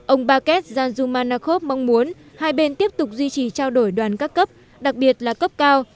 ông baket jan jumanakhov mong muốn hai bên tiếp tục duy trì trao đổi đoàn các cấp đặc biệt là cấp cao